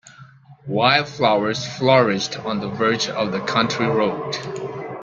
Wildflowers flourished on the verge of the country road